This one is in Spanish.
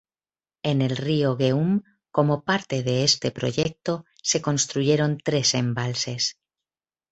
En el río Geum, como parte de este proyecto, se construyeron tres embalses.